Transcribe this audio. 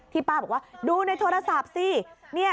ป้าบอกว่าดูในโทรศัพท์สิ